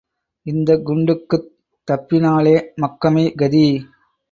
இந்தக் குண்டுக்குத் தப்பினாலே மக்கமே கதி.